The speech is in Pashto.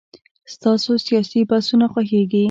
ستاسو سياسي بحثونه خوښيږي.